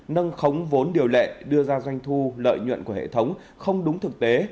nâng khống vốn điều lệ đưa ra doanh thu lợi nhuận của hệ thống không đúng thực tế